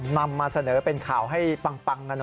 นำมาเสนอเป็นข่าวให้ปังหน่อยนะครับ